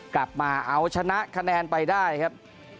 กลับมาเอาชนะคะแนนไปได้ครับ